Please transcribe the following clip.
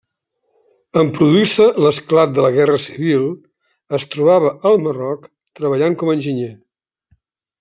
En produir-se l'esclat de la guerra civil es trobava al Marroc treballant com a enginyer.